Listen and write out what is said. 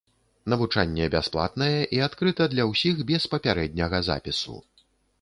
Навучанне бясплатнае і адкрыта для ўсіх без папярэдняга запісу.